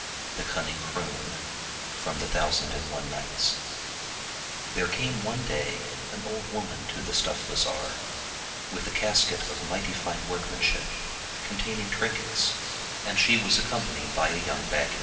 The Cunning Crone From the Arabic T^HERE came one day an old woman to the stuff bazar, with a casket of mighty fine workmanship, containing trinkets, and she was accompanied by a young baggage.